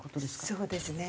そうですね。